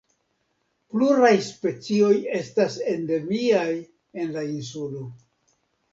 Pluraj specioj estas endemiaj en la insulo.